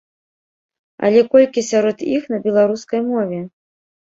Але колькі сярод іх на беларускай мове?